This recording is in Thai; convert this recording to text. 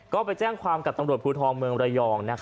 ก็ไปแจ้งความกับตำรวจภูทรเมืองระยอง